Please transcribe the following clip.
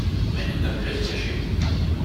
Mais tout n’a pu être caché.